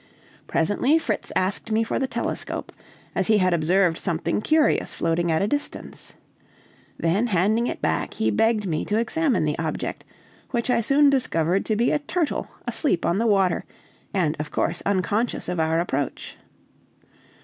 Presently, Fritz asked me for the telescope, as he had observed something curious floating at a distance. Then handing it back, he begged me to examine the object; which I soon discovered to be a turtle asleep on the water, and of course unconscious of our approach.